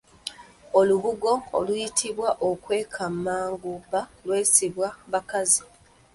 Olubugo oluyitibwa enkwekamagumba lwesibwa bakazi